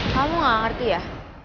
kamu gak ngerti ya